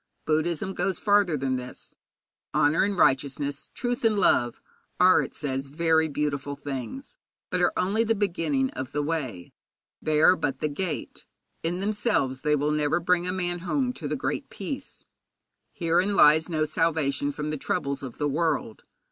Buddhism goes farther than this. Honour and righteousness, truth and love, are, it says, very beautiful things, but are only the beginning of the way; they are but the gate. In themselves they will never bring a man home to the Great Peace. Herein lies no salvation from the troubles of the world.